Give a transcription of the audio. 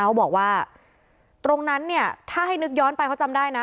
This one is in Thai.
เขาบอกว่าตรงนั้นเนี่ยถ้าให้นึกย้อนไปเขาจำได้นะ